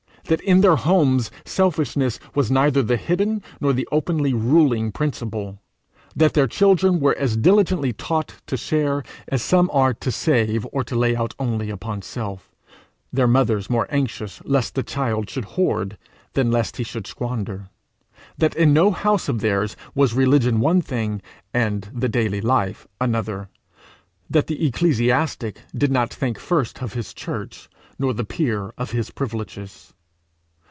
that in their homes selfishness was neither the hidden nor the openly ruling principle; that their children were as diligently taught to share, as some are to save, or to lay out only upon self their mothers more anxious lest a child should hoard than lest he should squander; that in no house of theirs was religion one thing, and the daily life another; that the ecclesiastic did not think first of his church, nor the peer of his privileges.